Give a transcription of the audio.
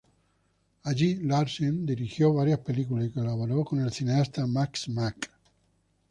Allí Larsen dirigió varias películas y colaboró con el cineasta Max Mack.